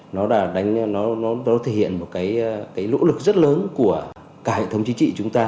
nó đã đánh nó thể hiện một cái lỗ lực rất lớn của cả hệ thống chính trị chúng ta